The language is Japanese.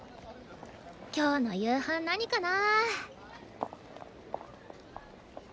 今日の夕飯何かな。